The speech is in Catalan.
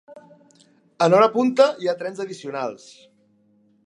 En hora punta, hi ha trens addicionals.